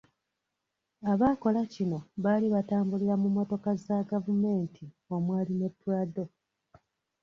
Abaakola kino baali batambulira mu mmotoka za gavumenti omwali ne Prado.